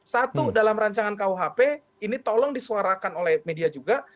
satu dalam rancangan kuhp ini tolong disuarakan oleh media juga